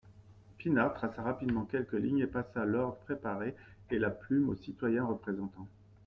Pinard traça rapidement quelques lignes et passa l'ordre préparé et la plume au citoyen représentant.